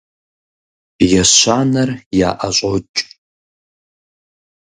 Ещанэр яӀэщӀокӀ.